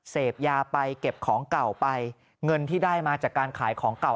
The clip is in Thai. เสพยาไปเก็บของเก่าไปเงินที่ได้มาจากการขายของเก่า